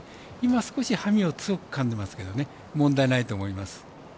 少し、馬銜を強くかんでいますけど問題ないと思います。